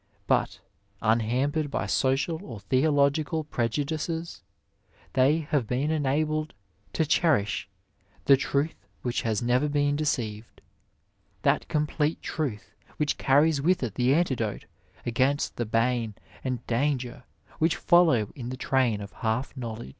'* but, unhampered by social orv theological prejudices, they have been enabled to cherish " the truth which has never been deceived — ^that complete trith which carries with it the antidote against the bane and danger which follow in the train of half knowledge."